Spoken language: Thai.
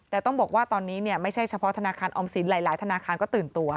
แต่ต้องบอกว่าตอนนี้ไม่ใช่เฉพาะธนาคารออมสินหลายธนาคารก็ตื่นตัว